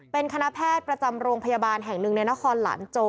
เป็นคณะแพทย์ประจำโรงพยาบาลแห่งหนึ่งในนครหลานโจ